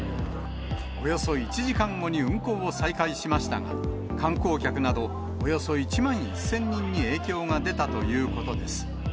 およそ１時間後に運行を再開しましたが、観光客などおよそ１万１０００人に影響が出たということです。